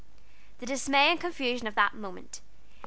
The dismay and confusion of that moment!